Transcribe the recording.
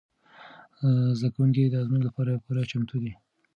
زده کوونکي د ازموینو لپاره پوره چمتو دي.